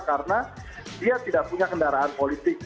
karena dia tidak punya kendaraan politik